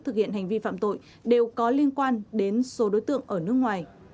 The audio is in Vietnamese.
thực hiện hành vi phạm tội đều có liên quan đến số đối tượng ở nước ngoài